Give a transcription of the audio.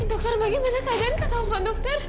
dokter dokter bagaimana keadaan kata ufaan dokter